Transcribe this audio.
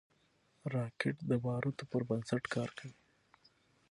راکټ د بارودو پر بنسټ کار کوي